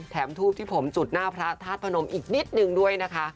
แถมทูปที่ผมจุดหน้าพระธาตุพนมอีกนิดนึงด้วยนะคะ